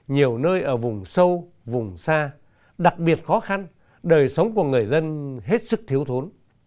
nhiều nơi ở vùng sâu vùng xa đặc biệt khó khăn đời sống của người dân hết sức thiếu thốn